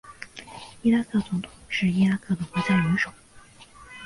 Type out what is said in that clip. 伊拉克总统是伊拉克的国家元首。